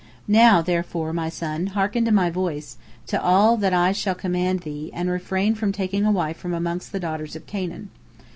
Now therefore, my son, hearken to my voice, to all that I shall command thee, and refrain from taking a wife from amongst the daughters of Canaan.